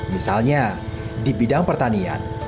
misalnya di bidang pertanian